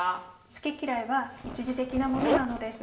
好き嫌いは一時的なものなのです。